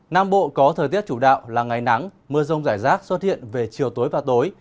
nam bộ có thời tiết chủ đạo là ngày nắng mưa rông rải rác xuất hiện về chiều tối và tối